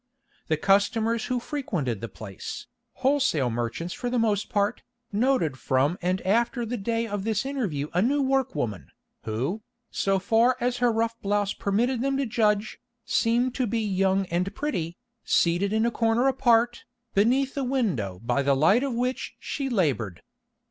The customers who frequented the place, wholesale merchants for the most part, noted from and after the day of this interview a new workwoman, who, so far as her rough blouse permitted them to judge, seemed to be young and pretty, seated in a corner apart, beneath a window by the light of which she laboured.